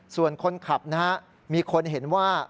ส่วนคนขับนะฮะมีคนเห็นว่า